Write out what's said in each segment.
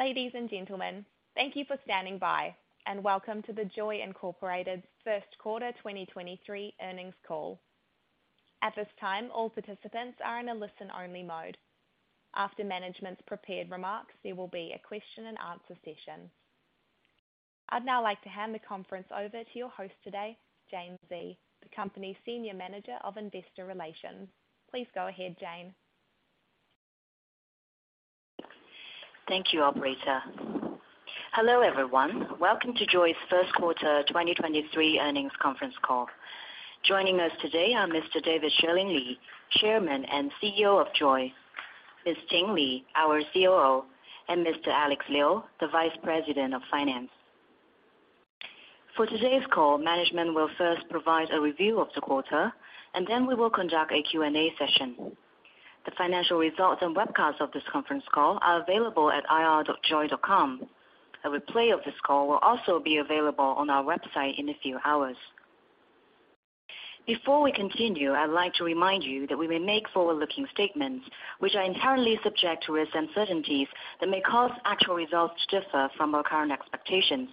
Ladies and gentlemen, thank you for standing by, and welcome to the JOYY Inc.'s Q1 2023 Earnings Call. At this time, all participants are in a listen-only mode. After management's prepared remarks, there will be a question and answer session. I'd now like to hand the conference over to your host today, Jane Xie, the company's Senior Manager of Investor Relations. Please go ahead, Jane. Thank you, operator. Hello, everyone. Welcome to JOYY's Q1 2023 Earnings Conference Call. Joining us today are Mr. David Xueling Li, Chairman and CEO of JOYY, Ms. Ting Li, our COO, and Mr. Alex Liu, the Vice President of Finance. For today's call, management will first provide a review of the quarter, and then we will conduct a Q&A session. The financial results and webcast of this conference call are available at ir.joyy.com. A replay of this call will also be available on our website in a few hours. Before we continue, I'd like to remind you that we may make forward-looking statements, which are entirely subject to risks and uncertainties that may cause actual results to differ from our current expectations.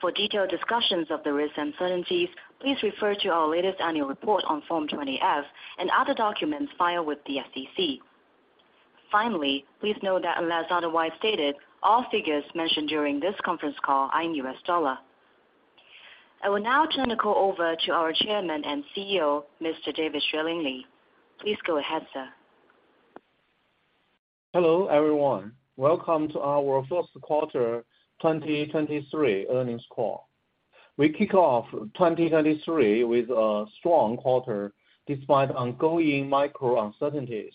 For detailed discussions of the risks and uncertainties, please refer to our latest annual report on Form 20-F and other documents filed with the SEC. Finally, please note that unless otherwise stated, all figures mentioned during this conference call are in U.S. dollar. I will now turn the call over to our Chairman and CEO, Mr. David Xueling Li. Please go ahead, sir. Hello, everyone. Welcome to our Q1 2023 Earnings Call. We kick off 2023 with a strong quarter, despite ongoing micro uncertainties.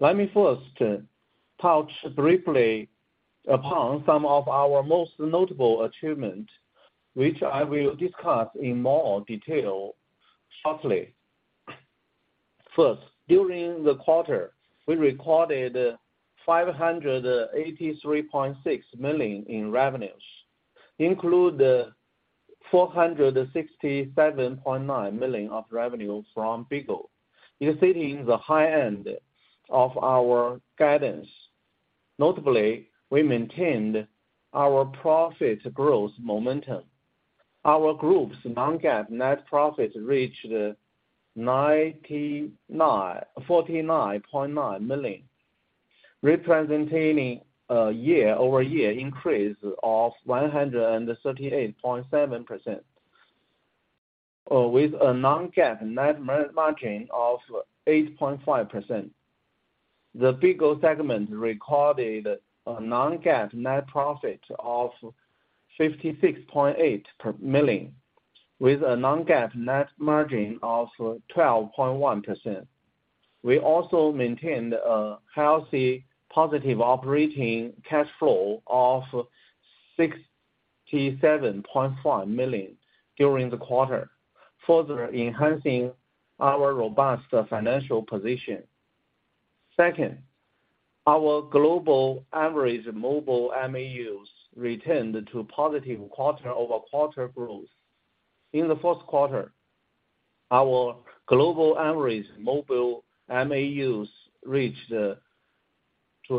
Let me first touch briefly upon some of our most notable achievement, which I will discuss in more detail shortly. First, during the quarter, we recorded $583.6 million in revenues, include $467.9 million of revenue from BIGO, exceeding the high end of our guidance. Notably, we maintained our profit growth momentum. Our group's non-GAAP net profit reached $49.9 million, representing a year-over-year increase of 138.7%, with a non-GAAP net margin of 8.5%. The BIGO segment recorded a non-GAAP net profit of $56.8 per million, with a non-GAAP net margin of 12.1%. We also maintained a healthy positive operating cash flow of $67.5 million during the quarter, further enhancing our robust financial position. Second, our global average mobile MAUs returned to positive quarter-over-quarter growth. In the Q1, our global average mobile MAUs reached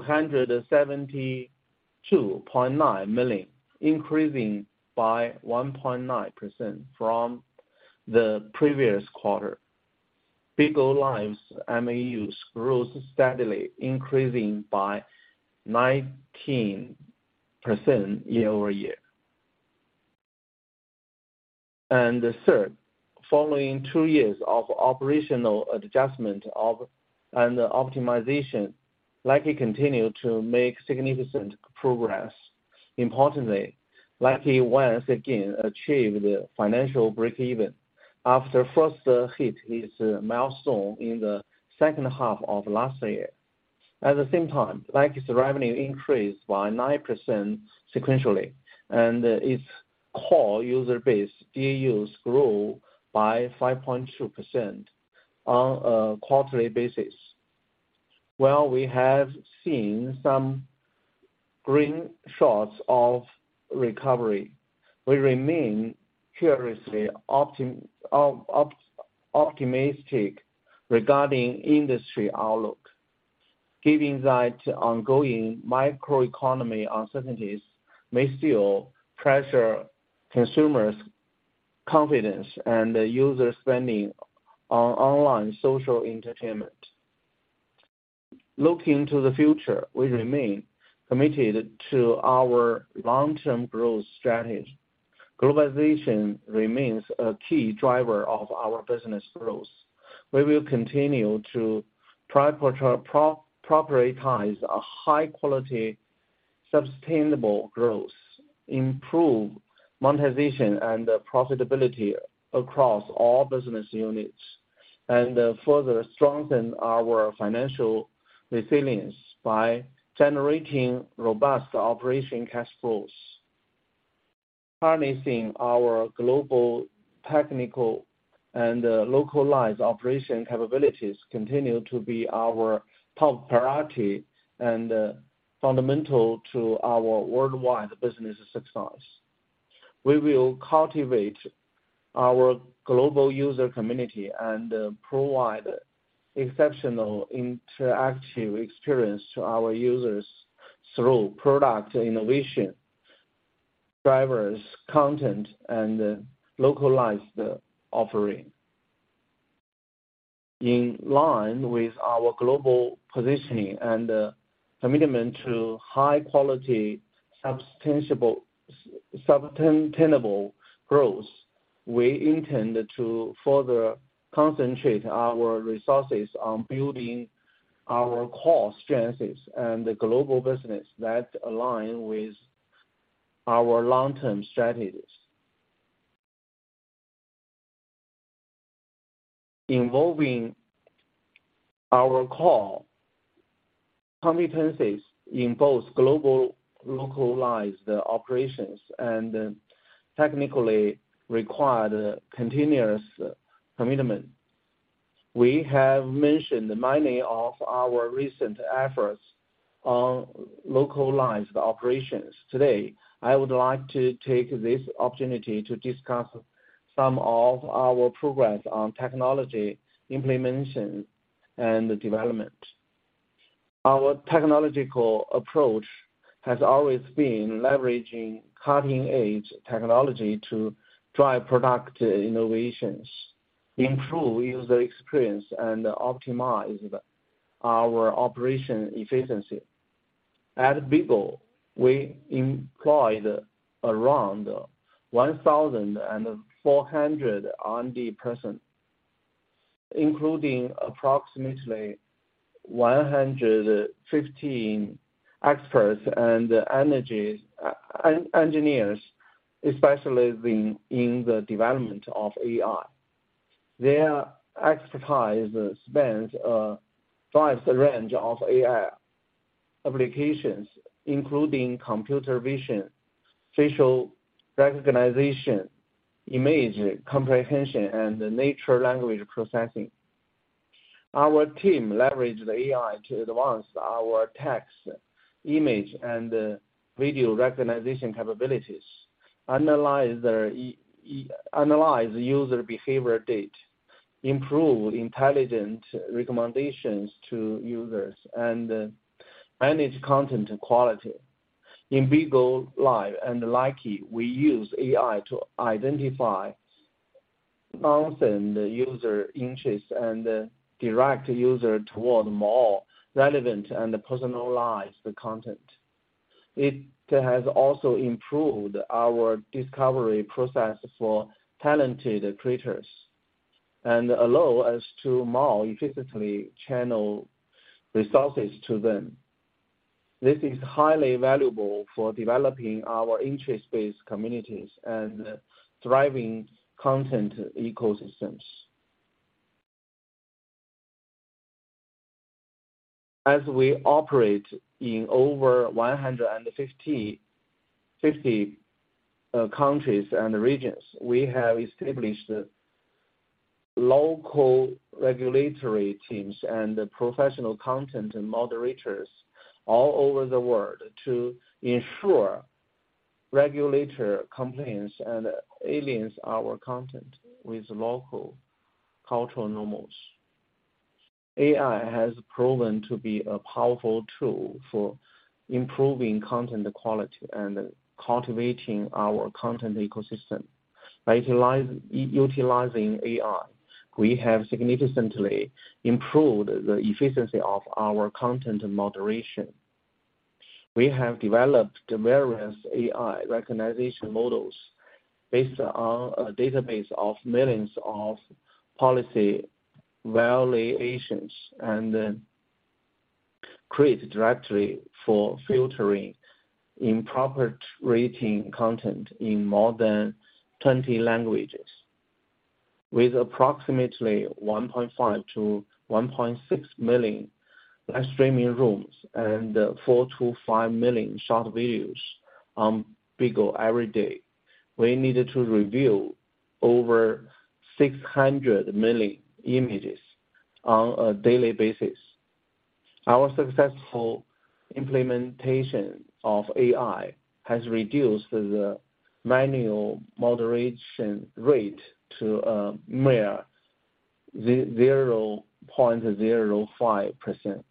272.9 million, increasing by 1.9% from the previous quarter. BIGO LIVE's MAUs grew steadily, increasing by 19% year-over-year. Third, following two years of operational adjustment of and optimization, Likee continued to make significant progress. Importantly, Likee once again achieved financial breakeven after first hit this milestone in the second half of last year. At the same time, Likee's revenue increased by 9% sequentially, and its core user base, DAUs, grew by 5.2% on a quarterly basis. While we have seen some green shoots of recovery, we remain curiously optimistic regarding industry outlook, giving that ongoing microeconomy uncertainties may still pressure consumers' confidence and user spending on online social entertainment. Looking to the future, we remain committed to our long-term growth strategy. Globalization remains a key driver of our business growth. We will continue to prioritize a high quality, sustainable growth, improve monetization and profitability across all business units, and further strengthen our financial resilience by generating robust operation cash flows. Harnessing our global, technical, and localized operation capabilities continue to be our top priority and fundamental to our worldwide business success. We will cultivate our global user community and provide exceptional interactive experience to our users through product innovation, diverse content, and localized offering. In line with our global positioning and commitment to high quality, sustainable growth, we intend to further concentrate our resources on building our core strengths and the global business that align with our long-term strategies. Involving our core competencies in both global localized operations and technically required continuous commitment. We have mentioned many of our recent efforts on localized operations. Today, I would like to take this opportunity to discuss some of our progress on technology implementation and development. Our technological approach has always been leveraging cutting-edge technology to drive product innovations, improve user experience, and optimize our operation efficiency. At BIGO, we employed around 1,400 R&D person, including approximately 115 experts and engineers, especially in the development of AI. Their expertise spans, diverse range of AI applications, including computer vision, facial recognition, image comprehension, and natural language processing. Our team leveraged AI to advance our text, image, and video recognition capabilities, analyze user behavior data, improve intelligent recommendations to users, and manage content quality. In BIGO LIVE and Likee, we use AI to identify 1,000 user interests and direct user toward more relevant and personalized content. It has also improved our discovery process for talented creators and allow us to more efficiently channel resources to them. This is highly valuable for developing our interest-based communities and thriving content ecosystems. As we operate in over 150 countries and regions, we have established local regulatory teams and professional content and moderators all over the world to ensure regulatory compliance and aligns our content with local cultural norms. AI has proven to be a powerful tool for improving content quality and cultivating our content ecosystem. By utilizing AI, we have significantly improved the efficiency of our content moderation. We have developed various AI recognition models based on a database of millions of policy violations, and create directly for filtering improper rating content in more than 20 languages. With approximately 1.5 million-1.6 million live streaming rooms and 4 million-5 million short videos on BIGO every day, we needed to review over 600 million images on a daily basis. Our successful implementation of AI has reduced the manual moderation rate to mere 0.05%,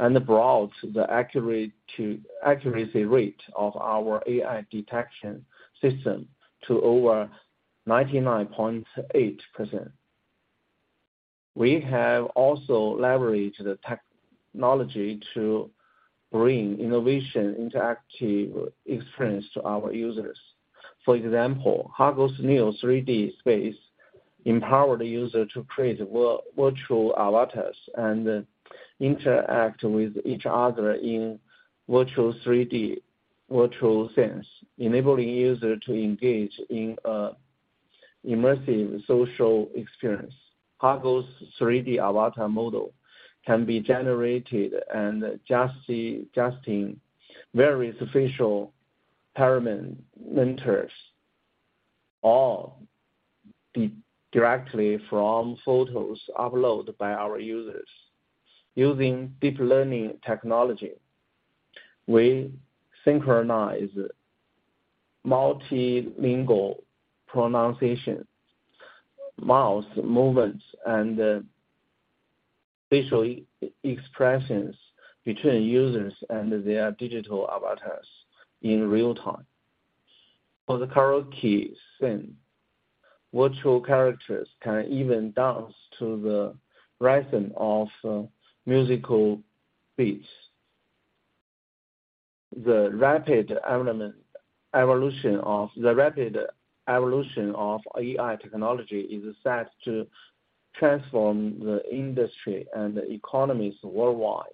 and brought the accuracy rate of our AI detection system to over 99.8%. We have also leveraged the technology to bring innovation, interactive experience to our users. For example, Hago's new 3D space empower the user to create virtual avatars and interact with each other in virtual 3D virtual sense, enabling user to engage in a immersive social experience. Hago's 3D avatar model can be generated and just in various official parameters directly from photos uploaded by our users. Using deep learning technology, we synchronize multilingual pronunciation, mouth movements, and visual expressions between users and their digital avatars in real time. For the karaoke scene, virtual characters can even dance to the rhythm of musical beats. The rapid evolution of AI technology is set to transform the industry and the economies worldwide.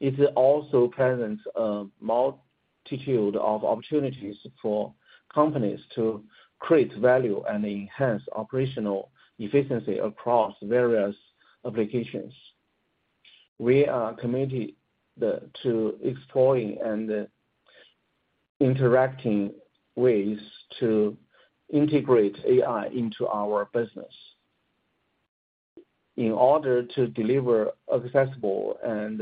It also presents a multitude of opportunities for companies to create value and enhance operational efficiency across various applications. We are committed to exploring and interacting ways to integrate AI into our business in order to deliver accessible and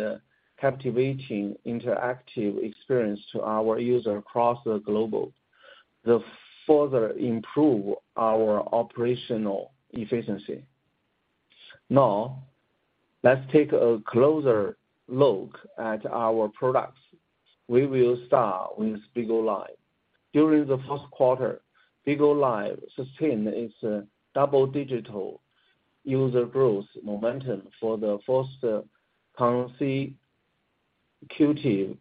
captivating interactive experience to our user across the global, to further improve our operational efficiency. Let's take a closer look at our products. We will start with BIGO LIVE. During the Q1, BIGO LIVE sustained its double-digit digital user growth momentum for the first consecutive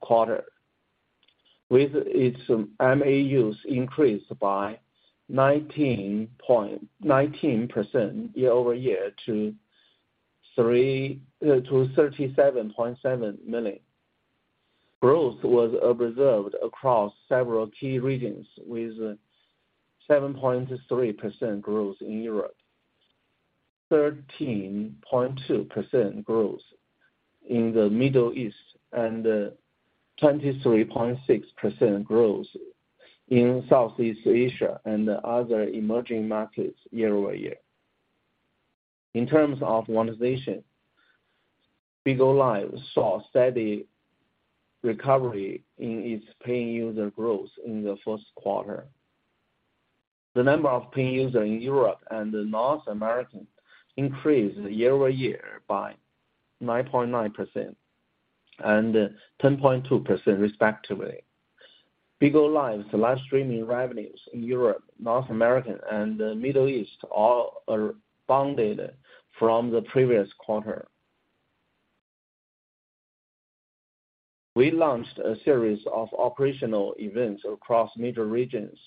quarter, with its MAUs increased by 19% year-over-year to 37.7 million. Growth was observed across several key regions, with 7.3% growth in Europe, 13.2% growth in the Middle East, and 23.6% growth in Southeast Asia and other emerging markets year-over-year. In terms of monetization, BIGO LIVE saw steady recovery in its paying user growth in the Q1. The number of paying user in Europe and North America increased year-over-year by 9.9% and 10.2% respectively. BIGO LIVE's livestreaming revenues in Europe, North America, and the Middle East all are bounded from the previous quarter. We launched a series of operational events across major regions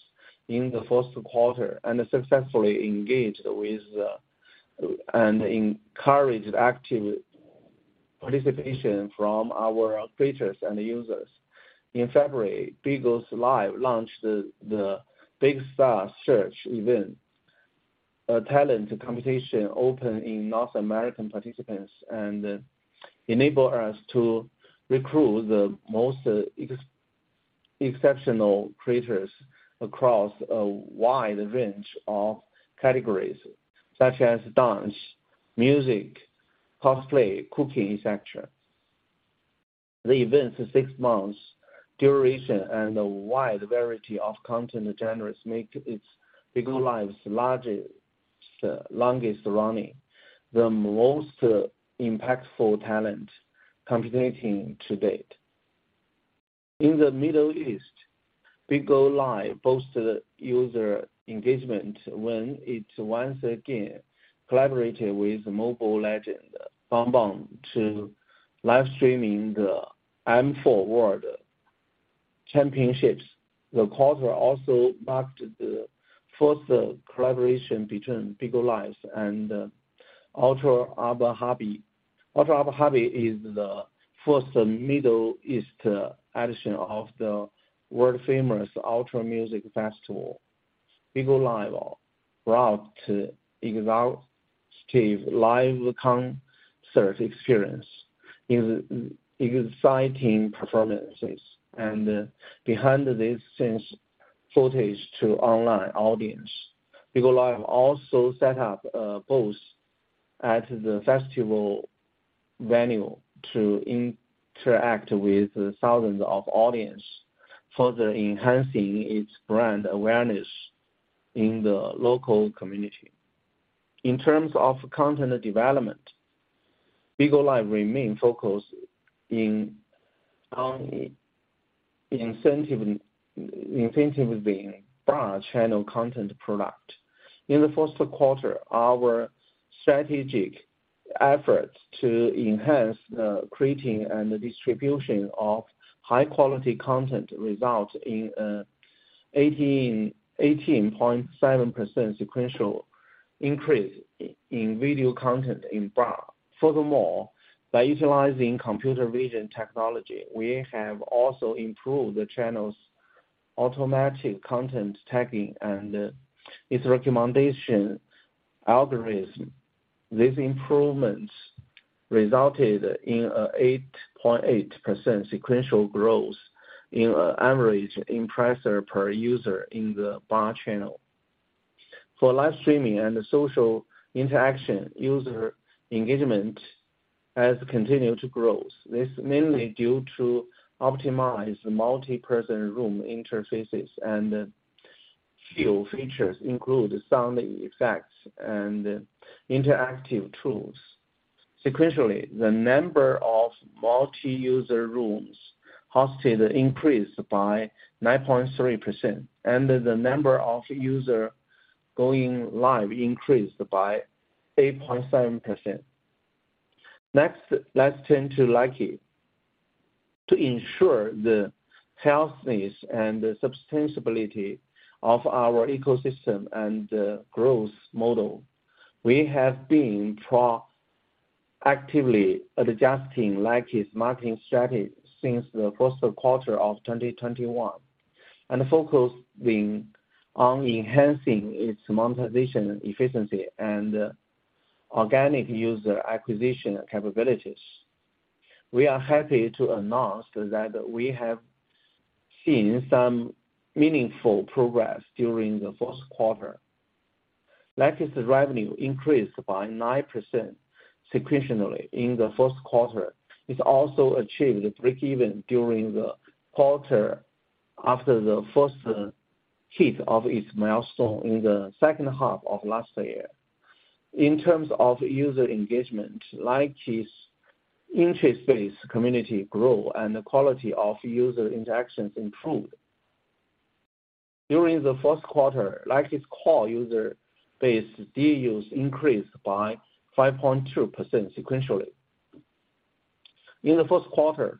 in the Q1, and successfully engaged with and encouraged active participation from our creators and users. In February, BIGO LIVE launched the Big Star Search event, a talent competition open in North American participants, and enable us to recruit the most exceptional creators across a wide range of categories such as dance, music, cosplay, cooking, et cetera. The event's six months duration and a wide variety of content genres make its BIGO LIVE's largest, longest running, the most impactful talent competition to date. In the Middle East, BIGO LIVE boasted user engagement when it once again collaborated with Mobile Legends: Bang Bang to live streaming the M4 World Championship. The quarter also marked the first collaboration between BIGO LIVE and Ultra Abu Dhabi. Ultra Abu Dhabi is the first Middle East edition of the world-famous Ultra Music Festival. BIGO LIVE brought exclusive live concert experience, exciting performances, and behind the scenes footage to online audience. BIGO LIVE also set up booths at the festival venue to interact with thousands of audience, further enhancing its brand awareness in the local community. In terms of content development, BIGO LIVE remain focused in on incentivizing Vlog channel content product. In the Q1, our strategic efforts to enhance the creating and distribution of high quality content results in 18.7% sequential increase in video content in Vlog. By utilizing computer vision technology, we have also improved the channel's automatic content tagging and its recommendation algorithm. These improvements resulted in a 8.8% sequential growth in average impression per user in the bar channel. For live streaming and social interaction, user engagement has continued to grow. This is mainly due to optimize the multi-person room interfaces and few features include sound effects and interactive tools. Sequentially, the number of multi-user rooms hosted increased by 9.3%, and the number of user going live increased by 8.7%. Let's turn to Likee. To ensure the healthiness and the sustainability of our ecosystem and growth model, we have been proactively adjusting Likee's marketing strategy since the Q1 of 2021, and focusing on enhancing its monetization efficiency and organic user acquisition capabilities. We are happy to announce that we have seen some meaningful progress during the Q1. Likee's revenue increased by 9% sequentially in the Q1. It also achieved breakeven during the quarter after the first hit of its milestone in the second half of last year. In terms of user engagement, Likee's interest-based community grow and the quality of user interactions improved. During the Q1, Likee's core user base, DAUs, increased by 5.2% sequentially. In the Q1,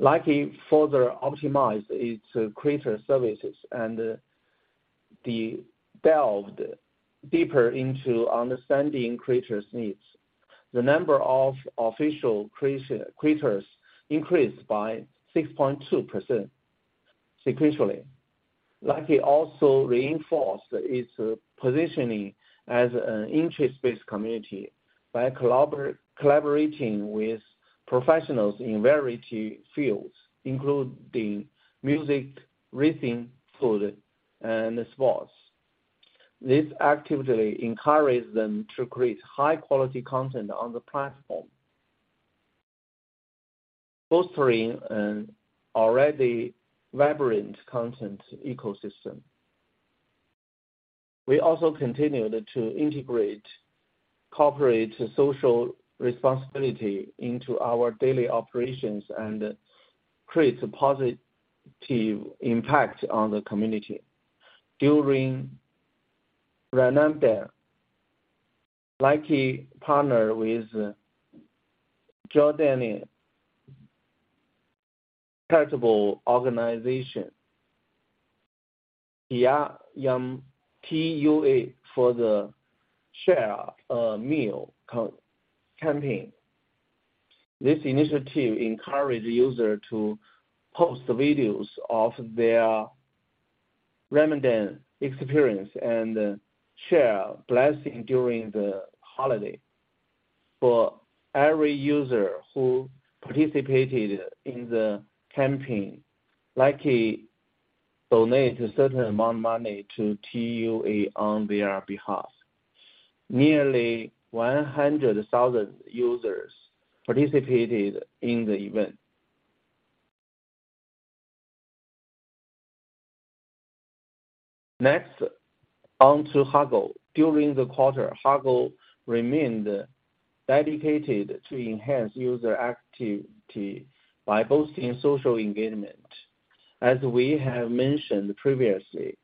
Likee further optimized its creator services and delved deeper into understanding creators' needs. The number of official creators increased by 6.2% sequentially. Likee also reinforced its positioning as an interest-based community by collaborating with professionals in variety fields, including music, reading, food, and sports. This actively encourages them to create high-quality content on the platform, fostering an already vibrant content ecosystem. We also continued to integrate corporate social responsibility into our daily operations and create a positive impact on the community. During Ramadan, Likee partnered with Jordanian Charitable Organization, TUA, for the Share a Meal campaign. This initiative encouraged user to post videos of their Ramadan experience and share blessing during the holiday. For every user who participated in the campaign, Likee donate a certain amount of money to TUA on their behalf. Nearly 100,000 users participated in the event. On to Hago. During the quarter, Hago remained dedicated to enhance user activity by boosting social engagement. As we have mentioned previously,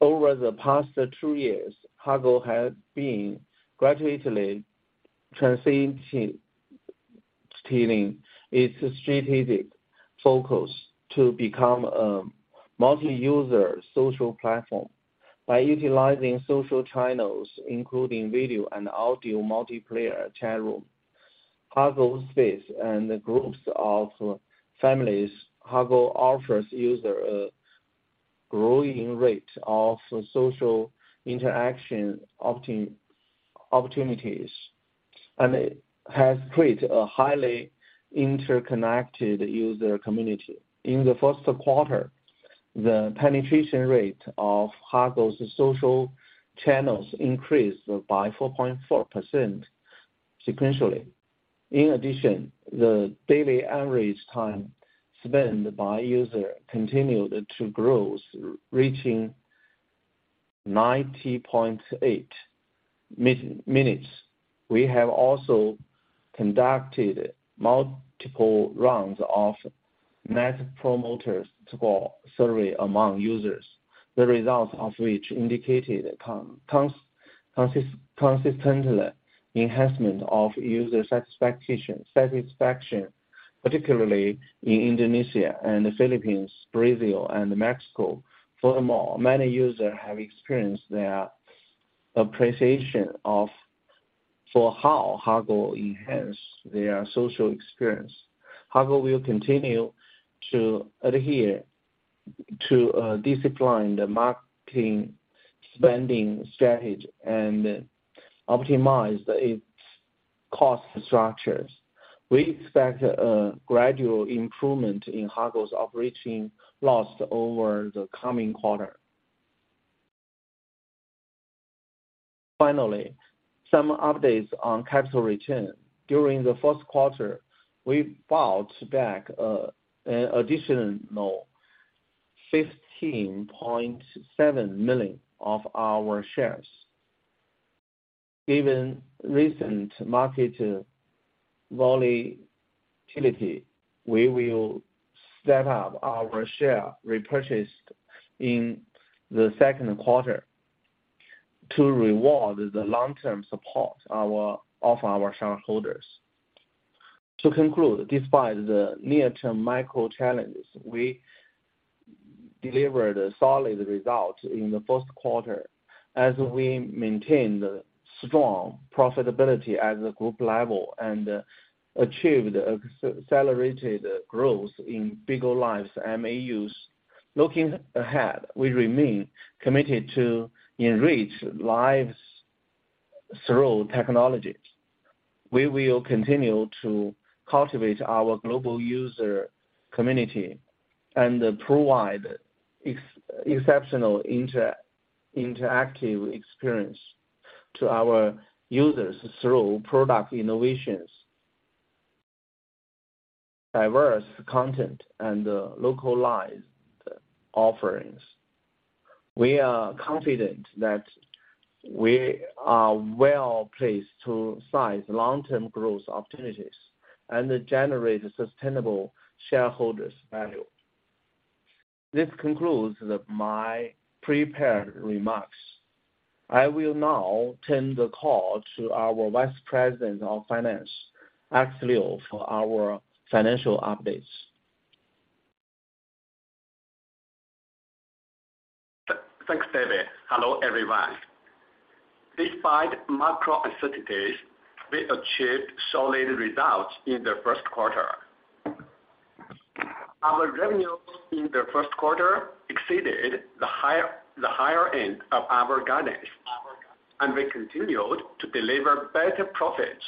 over the past two years, Hago has been gradually transitioning its strategic focus to become a multi-user social platform. By utilizing social channels, including video and audio, multiplayer chat room, Hago Space, and groups of families, Hago offers user a growing rates of social interaction opportunities, and it has created a highly interconnected user community. In the Q1, the penetration rate of Hago's social channels increased by 4.4% sequentially. In addition, the daily average time spent by user continued to grow, reaching 90.8 minutes. We have also conducted multiple rounds of Net Promoter Score survey among users, the results of which indicated consistently enhancement of user satisfaction, particularly in Indonesia and the Philippines, Brazil and Mexico. Furthermore, many users have experienced their appreciation of, for how Hago enhance their social experience. Hago will continue to adhere to discipline the marketing spending strategy and optimize its cost structures. We expect a gradual improvement in Hago's operating loss over the coming quarter. Finally, some updates on capital return. During the Q1, we bought back an additional $15.7 million of our shares. Given recent market volatility, we will step up our share repurchase in the Q2 to reward the long-term support of our shareholders. To conclude, despite the near-term micro challenges, we delivered a solid result in the Q1 as we maintained strong profitability at the group level and achieved accelerated growth in BIGO LIVE's MAUs. Looking ahead, we remain committed to enrich lives through technologies. We will continue to cultivate our global user community and provide exceptional interactive experience to our users through product innovations, diverse content, and localized offerings. We are confident that we are well-placed to size long-term growth opportunities and generate sustainable shareholders value. This concludes my prepared remarks. I will now turn the call to our Vice President of Finance, Alex Liu, for our financial updates. Thanks, David. Hello, everyone. Despite macro uncertainties, we achieved solid results in the Q1. Our revenue in the Q1 exceeded the higher end of our guidance. We continued to deliver better profits,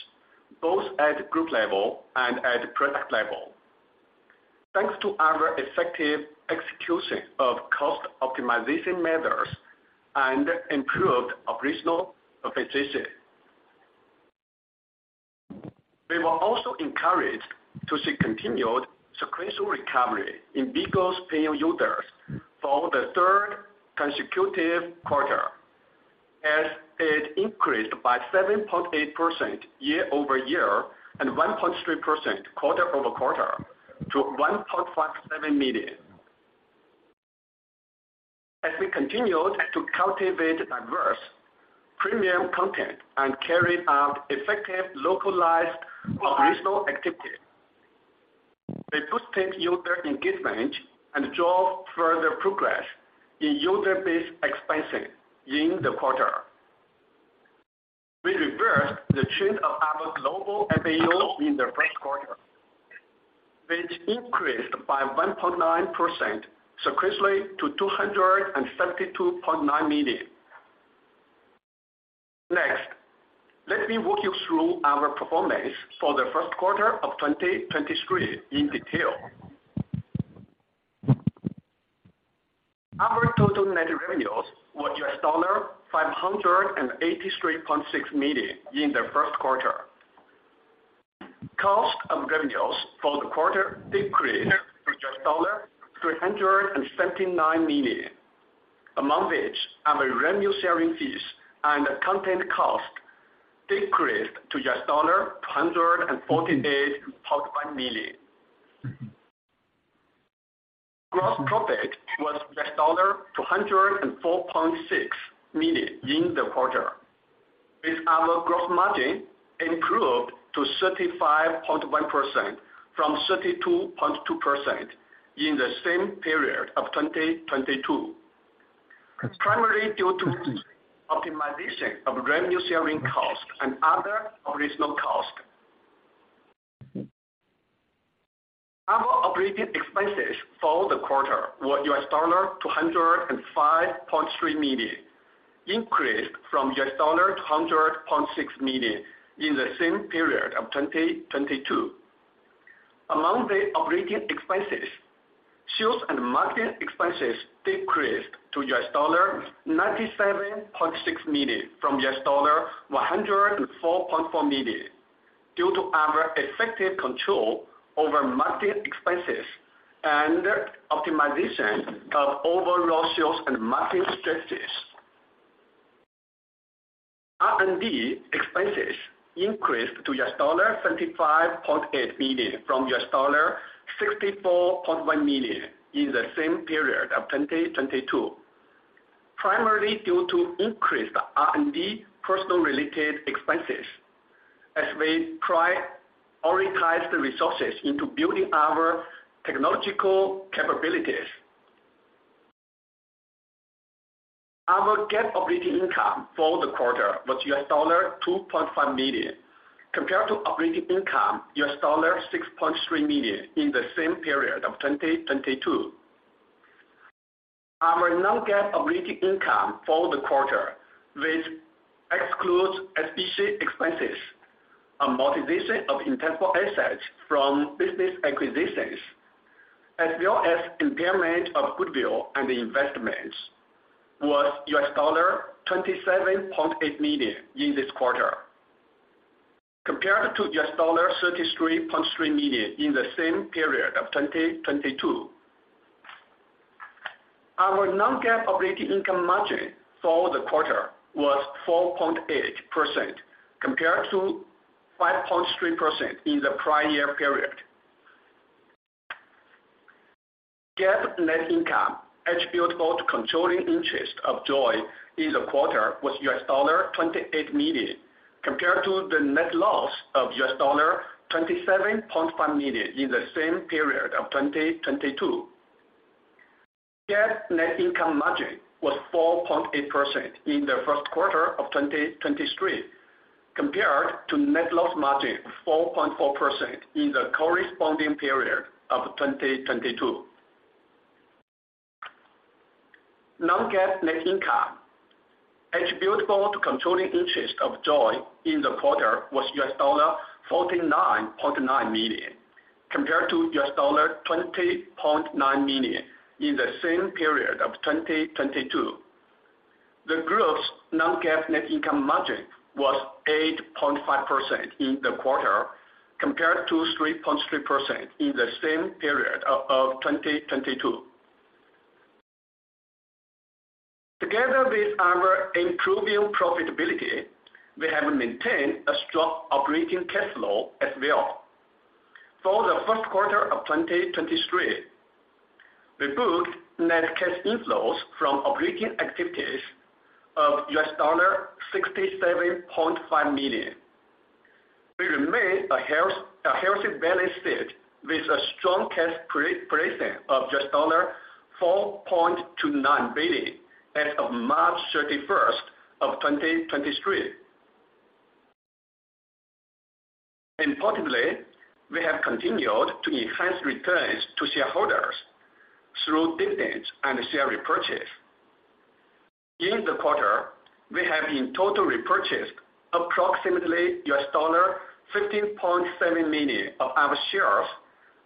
both at group level and at product level. Thanks to our effective execution of cost optimization measures and improved operational efficiency. We were also encouraged to see continued sequential recovery in BIGO's paying users for the third consecutive quarter, as it increased by 7.8% year-over-year and 1.3% quarter-over-quarter to 1.7 million. We continued to cultivate diverse premium content and carry out effective localized operational activities. They boosted user engagement and drove further progress in user base expansion in the quarter. We reversed the trend of our global MAUs in the Q1, which increased by 1.9% sequentially to 272.9 million. Let me walk you through our performance for the Q1 of 2023 in detail. Our total net revenues were $583.6 million in the Q1. Cost of revenues for the quarter decreased to $379 million, among which our revenue sharing fees and content cost decreased to $248.1 million. Gross profit was $204.6 million in the quarter, with our gross margin improved to 35.1% from 32.2% in the same period of 2022, primarily due to optimization of revenue sharing costs and other operational costs. Our operating expenses for the quarter were $205.3 million, increased from $200.6 million in the same period of 2022. Among the operating expenses, sales and marketing expenses decreased to $97.6 million from $104.4 million, due to our effective control over marketing expenses and optimization of overall sales and marketing strategies. R&D expenses increased to $75.8 million from $64.1 million in the same period of 2022, primarily due to increased R&D personnel related expenses as we prioritize the resources into building our technological capabilities. Our GAAP operating income for the quarter was $2.5 million, compared to operating income $6.3 million in the same period of 2022. Our non-GAAP operating income for the quarter, which excludes SBC expenses, amortization of intangible assets from business acquisitions, as well as impairment of goodwill and investments, was $27.8 million in this quarter, compared to $33.3 million in the same period of 2022. Our non-GAAP operating income margin for the quarter was 4.8%, compared to 5.3% in the prior year period. GAAP net income attributable to controlling interest of JOYY in the quarter was $28 million, compared to the net loss of $27.5 million in the same period of 2022. GAAP net income margin was 4.8% in the Q1 of 2023, compared to net loss margin of 4.4% in the corresponding period of 2022. Non-GAAP net income attributable to controlling interest of JOYY in the quarter was $49.9 million, compared to $20.9 million in the same period of 2022. The group's non-GAAP net income margin was 8.5% in the quarter, compared to 3.3% in the same period of 2022. Together with our improving profitability, we have maintained a strong operating cash flow as well. For the Q1 of 2023, we booked net cash inflows from operating activities of $67.5 million. We remain a healthy balance sheet with a strong cash position of $4.29 billion as of March 31, 2023. Importantly, we have continued to enhance returns to shareholders through dividends and share repurchase. In the quarter, we have in total repurchased approximately $15.7 million of our shares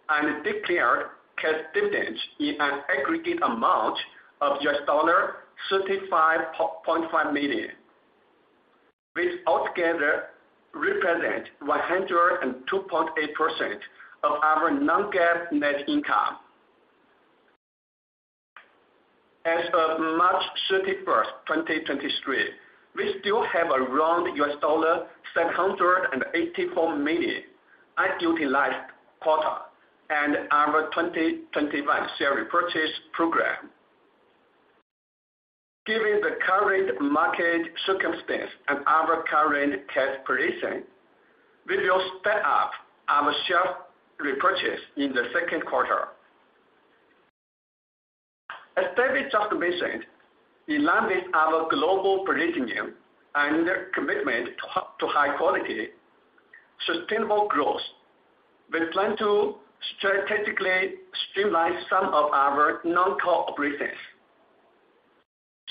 and declared cash dividends in an aggregate amount of $35.5 million, which altogether represent 102.8% of our non-GAAP net income. As of March 31st, 2023, we still have around $784 million unutilized quota in our 2021 share repurchase program. Given the current market circumstance and our current cash position, we will step up our share repurchase in the Q2. As David just mentioned, in line with our global positioning and commitment to high quality, sustainable growth, we plan to strategically streamline some of our non-core operations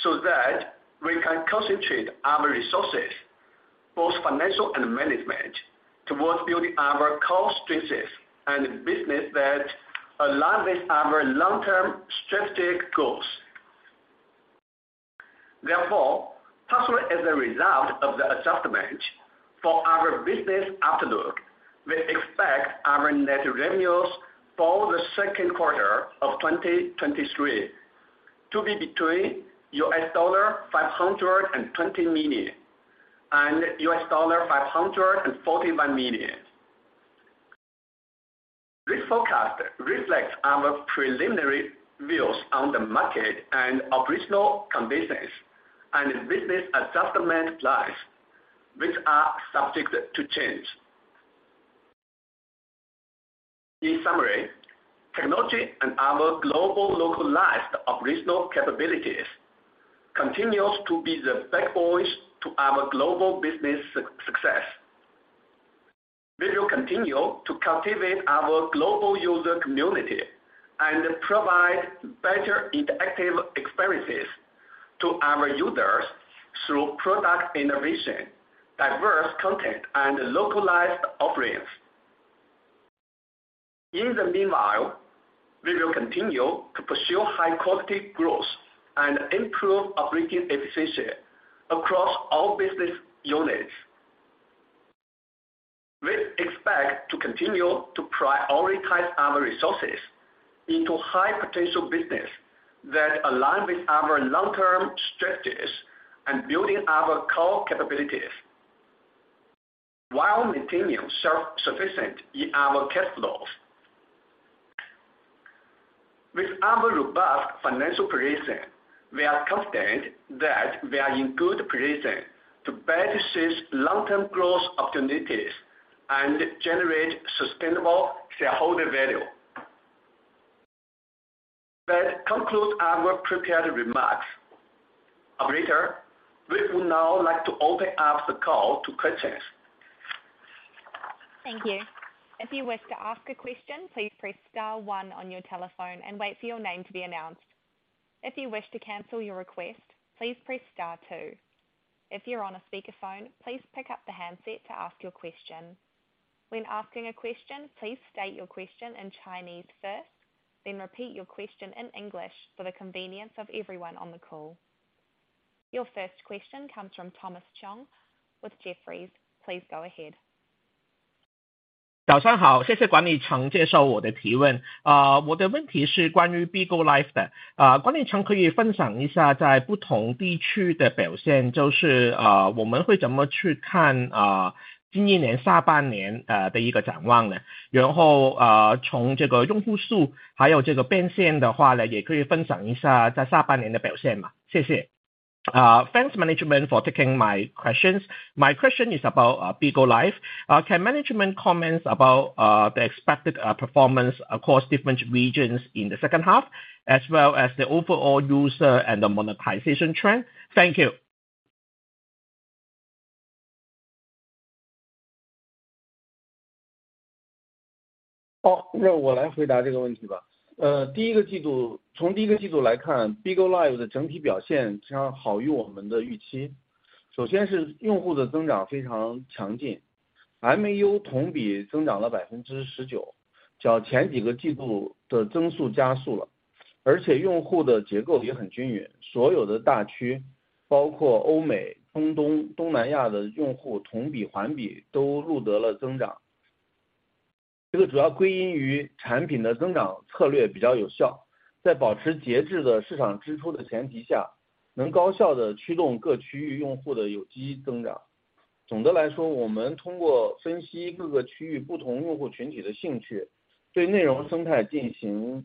so that we can concentrate our resources, both financial and management, towards building our core strengths and business that align with our long-term strategic goals. Therefore, partly as a result of the adjustment for our business outlook, we expect our net revenues for the Q2 of 2023 to be between $520 million and $541 million. This forecast reflects our preliminary views on the market and operational conditions and business adjustment plans, which are subject to change. In summary, technology and our global localized operational capabilities continues to be the backbone to our global business success. We will continue to cultivate our global user community and provide better interactive experiences to our users through product innovation, diverse content, and localized offerings. In the meanwhile, we will continue to pursue high quality growth and improve operating efficiency across all business units. We expect to continue to prioritize our resources into high potential business that align with our long-term strategies and building our core capabilities, while maintaining self-sufficient in our cash flows. With our robust financial position, we are confident that we are in good position to better seize long-term growth opportunities and generate sustainable shareholder value. That concludes our prepared remarks. Operator, we would now like to open up the call to questions. Thank you! If you wish to ask a question, please press star one on your telephone and wait for your name to be announced. If you wish to cancel your request, please press star two. If you're on a speakerphone, please pick up the handset to ask your question. When asking a question, please state your question in Chinese first, then repeat your question in English for the convenience of everyone on the call. Your first question comes from Thomas Chong with Jefferies. Please go ahead. Thanks management for taking my questions. My question is about BIGO LIVE. Can management comment about the expected performance across different regions in the second half, as well as the overall user and the monetization trend? Thank you. 哦， 那我来回答这个问题吧。呃， 第一个季 度， 从第一个季度来看 ，BIGO LIVE 的整体表现将好于我们的预期。首先是用户的增长非常强劲 ，MAU 同比增长了百分之十 九， 较前几个季度的增速加速 了， 而且用户的结构也很均匀。所有的大 区， 包括欧美、中东、东南亚的用 户， 同比环比都录得了增长。这个主要归因于产品的增长策略比较有 效， 在保持节制的市场支出的前提 下， 能高效地驱动各区域用户的有机增长。总的来 说， 我们通过分析各个区域不同用户群体的兴 趣， 对内容生态进行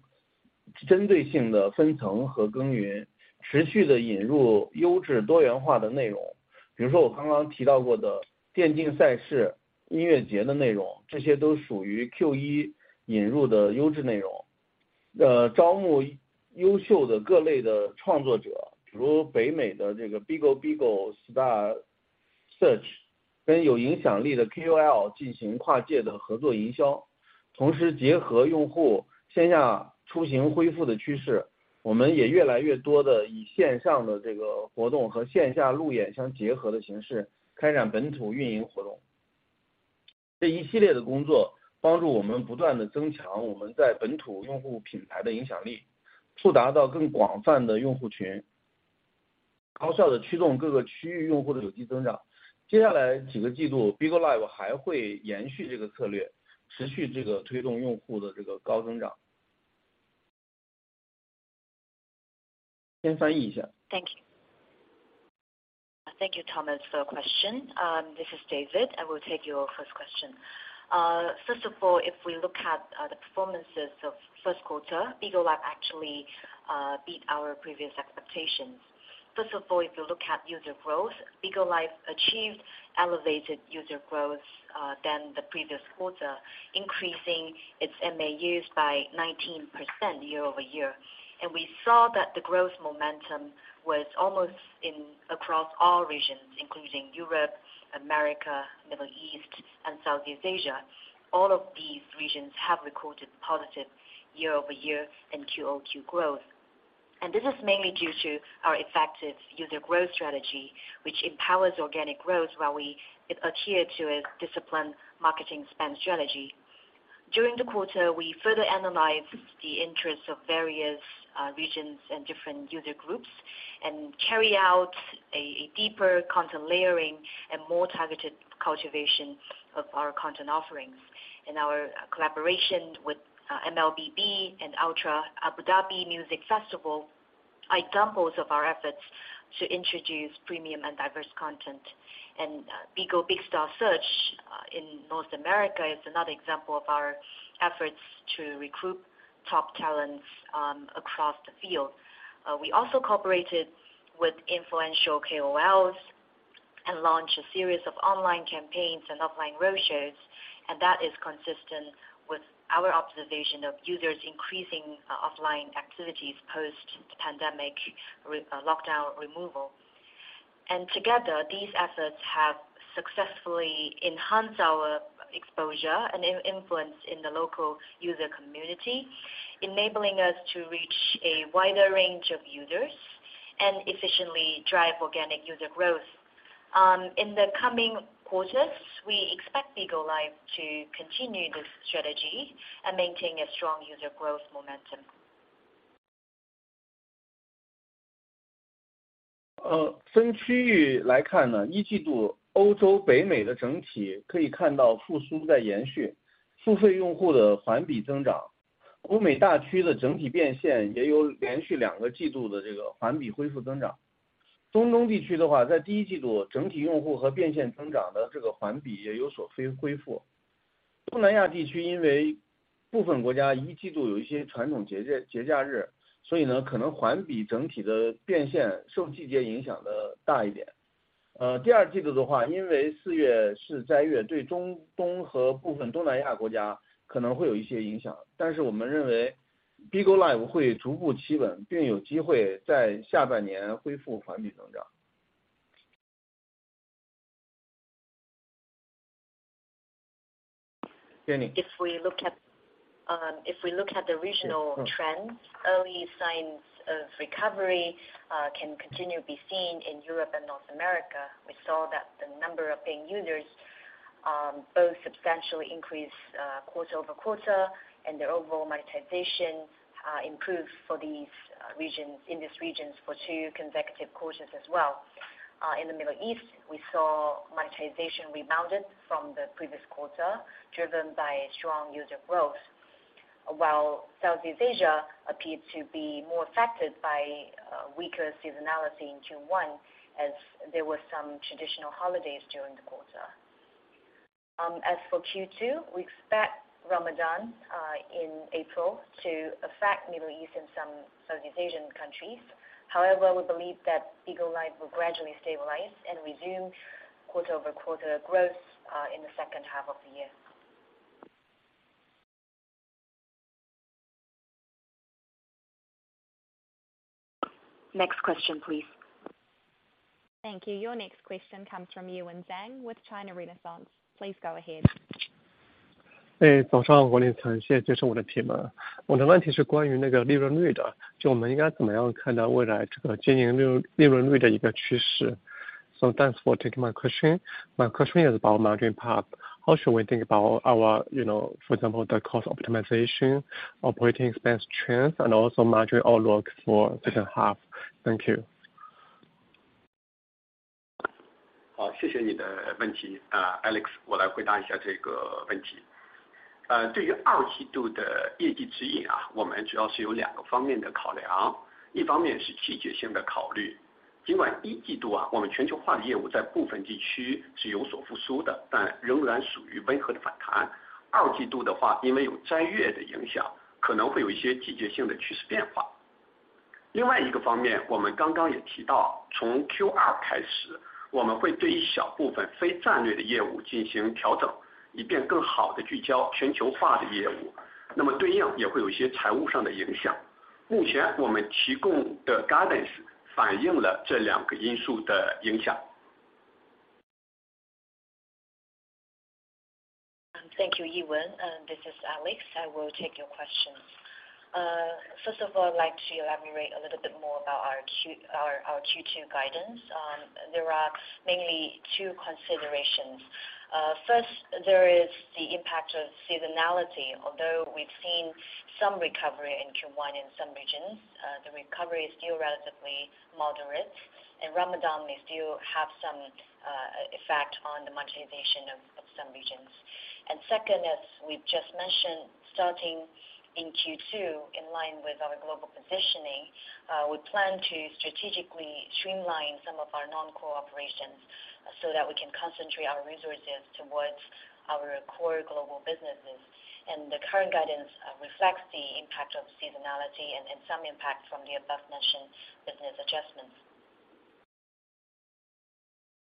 针对性的分层和耕 耘， 持续地引入优质多元化的内容。比如说我刚刚提到过的电竞赛事、音乐节的内 容， 这些都属于 Q1 引入的优质内容。呃， 招募优秀的各类的创作 者， 比如北美的这个 BIGO BIGO Star Search， 跟有影响力的 KOL 进行跨界的合作营 销， 同时结合用户线下出行恢复的趋 势， 我们也越来越多地以线上的这个活动和线下路演相结合的形式开展本土运营活动。这一系列的工作帮助我们不断地增强我们在本土用户品牌的影响 力， 触达到更广泛的用户 群， 高效地驱动各个区域用户的有机增长。接下来几个季度 ，BIGO LIVE 还会延续这个策 略， 持续这个推动用户的这个高增长。先翻译一下。Thank you. Thank you, Thomas, for your question. This is David. I will take your first question. First of all, if we look at the performances of Q1, BIGO LIVE actually beat our previous expectations. First of all, if you look at user growth, BIGO LIVE achieved elevated user growth than the previous quarter, increasing its MAUs by 19% year-over-year. We saw that the growth momentum was almost in across all regions, including Europe, America, Middle East, and Southeast Asia. All of these regions have recorded positive year-over-year and quarter-over-quarter growth. This is mainly due to our effective user growth strategy, which empowers organic growth while we adhere to a disciplined marketing spend strategy. During the quarter, we further analyzed the interests of various regions and different user groups, and carry out a deeper content layering and more targeted cultivation of our content offerings. Our collaboration with MLBB and Ultra Abu Dhabi Music Festival are examples of our efforts to introduce premium and diverse content. BIGO's Big Star Search in North America is another example of our efforts to recruit top talents across the field. We also cooperated with influential KOLs and launched a series of online campaigns and offline roadshows, and that is consistent with our observation of users increasing offline activities post the pandemic lockdown removal. Together, these efforts have successfully enhanced our exposure and influence in the local user community, enabling us to reach a wider range of users and efficiently drive organic user growth. In the coming quarters, we expect BIGO LIVE to continue this strategy and maintain a strong user growth momentum. ，分区域来看 呢， 一季度欧洲北美的整体可以看到复苏在延 续， 付费用户的环比增 长， 美大区的整体变现也有连续两个季度的这个环比恢复增长。中东地区的 话， 在第一季度整体用户和变现增长的这个环比也有所恢复。东南亚地区因为部分国家一季度有一些传统 节假日， 所以 呢， 可能环比整体的变现受季节影响的大一点。...第 二季度的 话， 因为四月是斋 月， 对中东和部分东南亚国家可能会有一些影 响， 但是我们认为 BIGO LIVE 会逐步企 稳， 并有机会在下半年恢复环比增长。Jenny。If we look at the regional trends, early signs of recovery can continue to be seen in Europe and North America. We saw that the number of paying users both substantially increased quarter-over-quarter, and their overall monetization improved for these regions for two consecutive quarters as well. In the Middle East, we saw monetization rebounded from the previous quarter, driven by strong user growth, while Southeast Asia appeared to be more affected by weaker seasonality in Q1, as there were some traditional holidays during the quarter. As for Q2, we expect Ramadan in April to affect Middle East and some Southeast Asian countries. However, we believe that BIGO LIVE will gradually stabilize and resume quarter-over-quarter growth in the second half of the year. Next question, please. Thank you. Your next question comes from Yiwen Zhang with China Renaissance. Please go ahead. 哎， 早上 好， 王宁 强， 谢谢接受我的提问。我的问题是关于那个利润率 的， 就我们应该怎么样看待未来这个经营利 润， 利润率的一个趋势。Thanks for taking my question. My question is about margin part. How should we think about our, you know, for example, the cost optimization, operating expense trends and also margin outlook for second half? Thank you. 好， 谢谢你的问题。呃 ，Alex， 我来回答一下这个问题。呃， 对于二季度的业绩指引 啊， 我们主要是有两个方面的考 量， 一方面是季节性的考 虑， 尽管一季度 啊， 我们全球化的业务在部分地区是有所复苏 的， 但仍然属于温和的反弹。二季度的 话， 因为有斋月的影 响， 可能会有一些季节性的趋势变化。另外一个方 面， 我们刚刚也提 到， 从 Q2 开 始， 我们会对一小部分非战略的业务进行调 整， 以便更好地聚焦全球化的业 务， 那么对应也会有一些财务上的影响。目前我们提供的 guidance 反映了这两个因素的影响。Thank you, Yiwen. This is Alex. I will take your question. First of all, I'd like to elaborate a little bit more about our Q2 guidance. There are mainly two considerations. First, there is the impact of seasonality. Although we've seen some recovery in Q1 in some regions, the recovery is still relatively moderate, and Ramadan may still have some effect on the monetization of some regions. Second, as we've just mentioned, starting in Q2, in line with our global positioning, we plan to strategically streamline some of our non-core operations, so that we can concentrate our resources towards our core global businesses. The current guidance reflects the impact of seasonality and some impact from the above-mentioned business adjustments.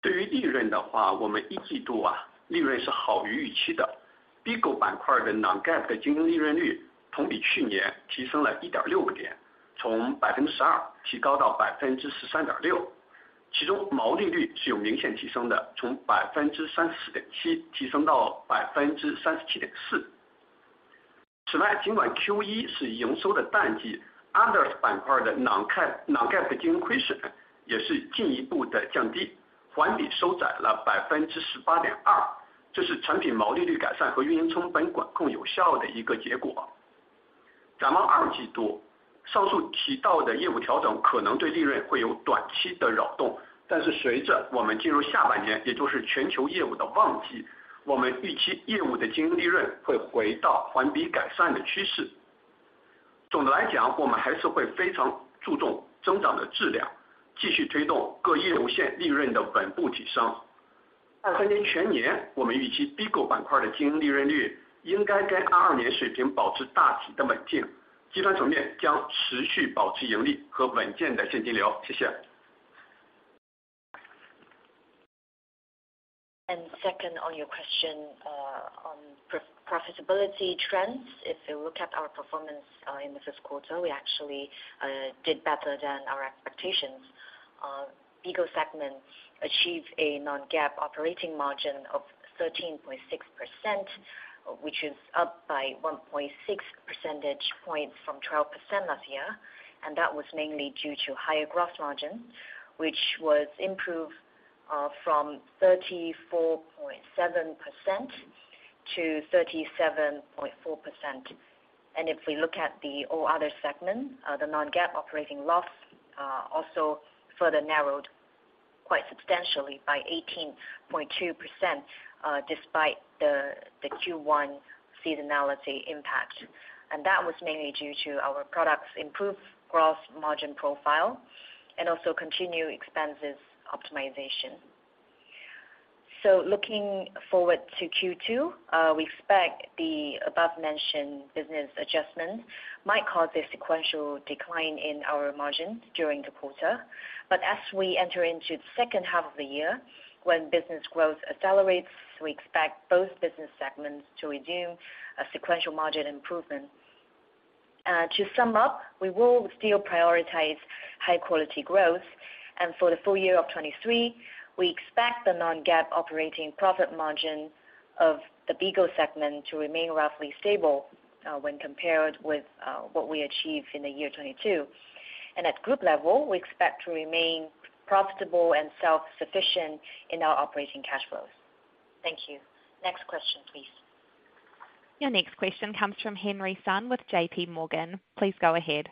对于利润的 话， 我们一季度 啊， 利润是好于预期的。Bigo 板块的 Non-GAAP 的经营利润率同比去年提升了一点六个 点， 从百分之十二提高到百分之十三点 六， 其中毛利率是有明显提升 的， 从百分之三十四点七提升到百分之三十七点四。此 外， 尽管 Q1 是营收的淡 季， others 板块的 Non-GAAP，Non-GAAP 的经营亏损也是进一步的降 低， 环比收窄了百分之十八点 二， 这是产品毛利率改善和运营成本管控有效的一个结果。展望二季 度， 上述提到的业务调整可能对利润会有短期的扰 动， 但是随着我们进入下半 年， 也就是全球业务的旺 季， 我们预期业务的经营利润会回到环比改善的趋势。总的来 讲， 我们还是会非常注重增长的质 量， 继续推动各业务线利润的稳步提升。23 年全 年， 我们预期 Bigo 板块的经营利润率应该跟22年水平保持大体的稳 定， 集团层面将持续保持盈利和稳健的现金流。谢谢。Second, on your question, on profitability trends, if you look at our performance in the Q1, we actually did better than our expectations. BIGO segment achieved a Non-GAAP operating margin of 13.6%, which is up by 1.6 percentage points from 12% last year, and that was mainly due to higher gross margin, which was improved from 34.7% to 37.4%. If we look at the All Other segments, the Non-GAAP operating loss also further narrowed quite substantially by 18.2%, despite the Q1 seasonality impact, and that was mainly due to our products improved gross margin profile and also continued expenses optimization. Looking forward to Q2, we expect the above-mentioned business adjustments might cause a sequential decline in our margins during the quarter. As we enter into the second half of the year, when business growth accelerates, we expect both business segments to resume a sequential margin improvement. To sum up, we will still prioritize high-quality growth. For the full year of 2023, we expect the non-GAAP operating profit margin of the BIGO segment to remain roughly stable, when compared with, what we achieved in the year 2022. At group level, we expect to remain profitable and self-sufficient in our operating cash flows. Thank you. Next question, please. Your next question comes from Henry Sun with JPMorgan. Please go ahead.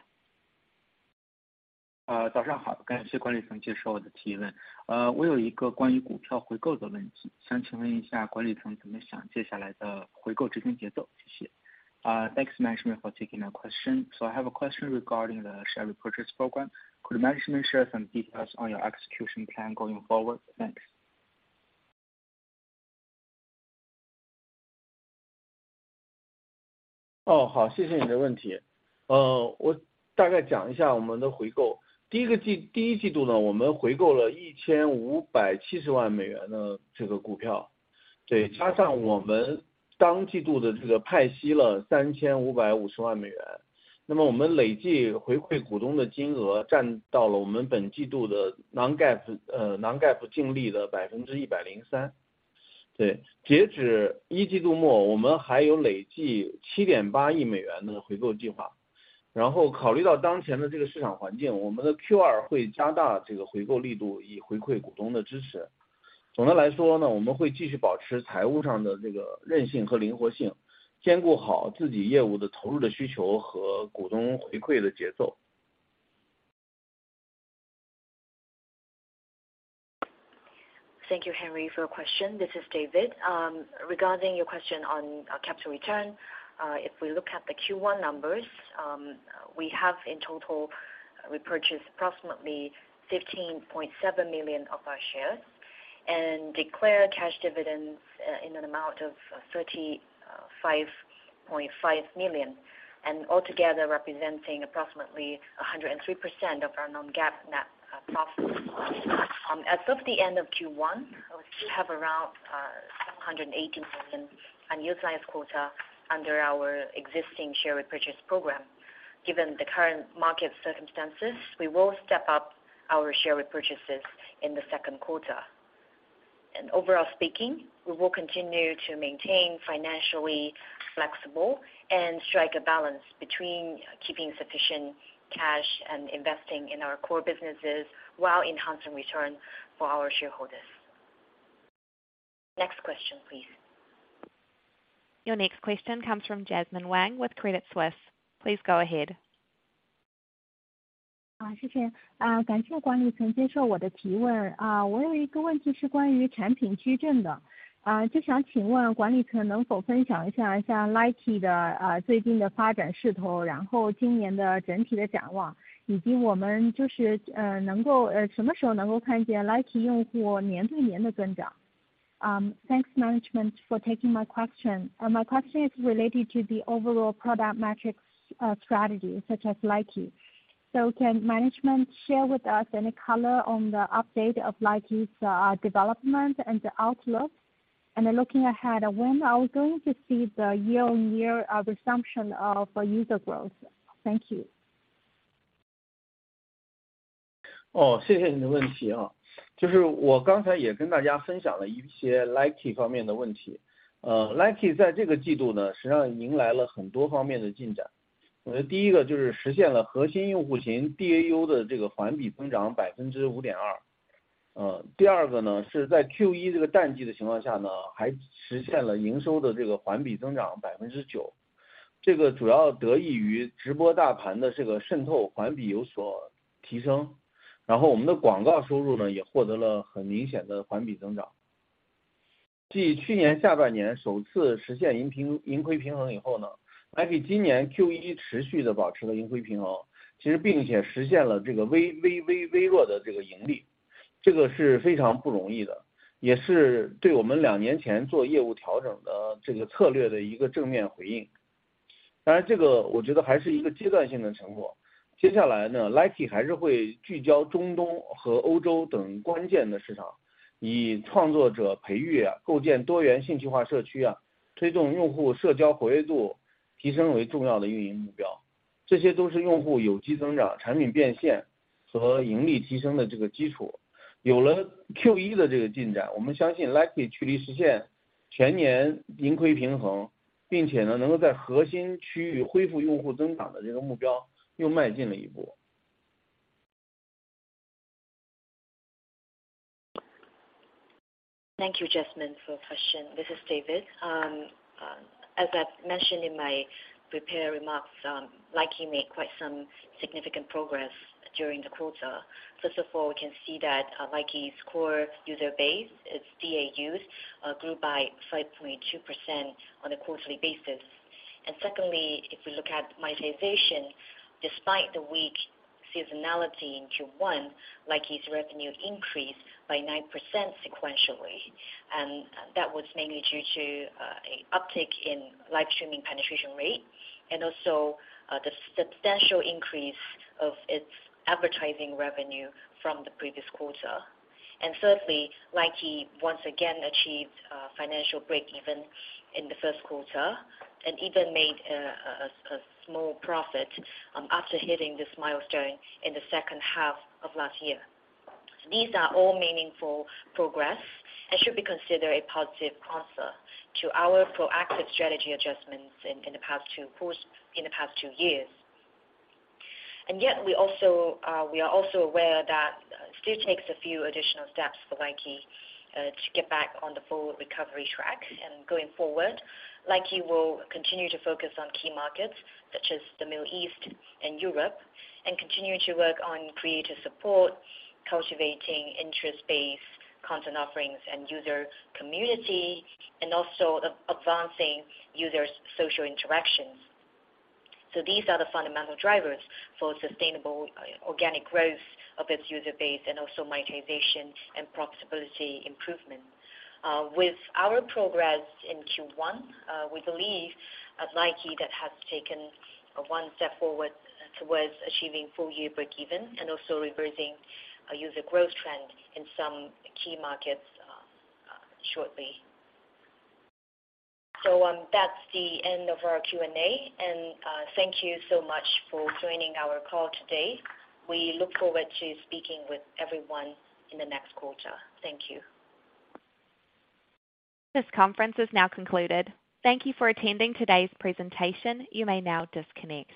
Thanks, management, for taking my question. I have a question regarding the share repurchase program. Could management share some details on your execution plan going forward? Thanks. Oh, 好， 谢谢你的问题。呃， 我大概讲一下我们的回购。第一个 季， 第一季度 呢， 我们回购了一千五百七十万美元的这个股 票， 对， 加上我们当季度的这个派息了三千五百五十万美 元， 那么我们累计回馈股东的金额占到了我们本季度的 Non-GAAP， 呃 ，Non-GAAP 净利的百分之一百零三。对， 截止一季度 末， 我们还有累计七点八亿美元的回购计划。然后考虑到当前的这个市场环 境， 我们的 Q2 会加大这个回购力 度， 以回馈股东的支持。总的来说 呢， 我们会继续保持财务上的这个韧性和灵活 性， 兼顾好自己业务的投入的需求和股东回馈的节奏。Thank you, Henry, for your question. This is David. Regarding your question on capital return, if we look at the Q1 numbers, we have in total, we purchased approximately $15.7 million of our shares and declared cash dividends, in an amount of $35.5 million, and altogether representing approximately 103% of our non-GAAP net profit. As of the end of Q1, we still have around $180 million unused line of quota under our existing share repurchase program. Given the current market circumstances, we will step up our share repurchases in the Q2. Overall speaking, we will continue to maintain financially flexible and strike a balance between keeping sufficient cash and investing in our core businesses, while enhancing return for our shareholders. Next question, please. Your next question comes from Jasmine Wang with Credit Suisse. Please go ahead. 谢谢。感谢管理层接受我的提问。我有一个问题是关于产品矩阵 的， 就想请问管理层能否分享一 下， 像 Likee 的， 最近的发展势 头， 然后今年的整体的展 望， 以及我们就 是， 能够什么时候能够看见 Likee 用户年对年的增 长？ Thanks management for taking my question. My question is related to the overall product metrics, strategy such as Likee. Can management share with us any color on the update of Likee's development and the outlook? Looking ahead, when are we going to see the year-on-year resumption of user growth? Thank you. 谢谢你的问题。我刚才也跟大家分享了一些 Likee 方面的问 题， Likee 在这个季 度， 实际上迎来了很多方面的进展。第一个是实现了核心用户群 DAU 的这个环比增长 5.2%。第二个是在 Q1 这个淡季的情况 下， 还实现了营收的这个环比增长 9%， 这个主要得益于直播大盘的这个渗透环比有所提 升， 我们的广告收入也获得了很明显的环比增长。继去年下半年首次实现盈 平， 盈亏平衡以 后， 还比今年 Q1 持续地保持了盈亏平 衡， 其实并且实现了这个微弱的这个盈 利， 这个是非常不容易 的， 也是对我们两年前做业务调整的这个策略的一个正面回应。这个我觉得还是一个阶段性的成果。接下来 Likee 还是会聚焦中东和欧洲等关键的市 场， 以创作者培育、构建多元性社 区， 推动用户社交活跃度提升为重要的运营目 标， 这些都是用户有机增长、产品变现和盈利提升的这个基础。有了 Q1 的这个进 展， 我们相信 Likee 距离实现全年盈亏平 衡， 并且能够在核心区域恢复用户增长的这个目标又迈进了一步。Thank you, Jasmine, for your question. This is David. As I've mentioned in my prepared remarks, Likee made quite some significant progress during the quarter. First of all, we can see that Likee's core user base, its DAUs, grew by 5.2% on a quarterly basis. Secondly, if we look at monetization, despite the weak seasonality in Q1, Likee's revenue increased by 9% sequentially, and that was mainly due to a uptick in live streaming penetration rate and also the substantial increase of its advertising revenue from the previous quarter. Thirdly, Likee once again achieved financial breakeven in the Q1 and even made a small profit after hitting this milestone in the second half of last year. These are all meaningful progress and should be considered a positive answer to our proactive strategy adjustments in the past two years. Yet, we are also aware that it still takes a few additional steps for Likee to get back on the full recovery track. Going forward, Likee will continue to focus on key markets such as the Middle East and Europe, and continue to work on creative support, cultivating interest-based content offerings and user community, and also advancing users' social interactions. These are the fundamental drivers for sustainable organic growth of its user base and also monetization and profitability improvement. With our progress in Q1, we believe at Likee, that has taken one step forward towards achieving full year breakeven and also reversing a user growth trend in some key markets shortly. That's the end of our Q&A, and thank you so much for joining our call today. We look forward to speaking with everyone in the next quarter. Thank you. This conference is now concluded. Thank you for attending today's presentation. You may now disconnect.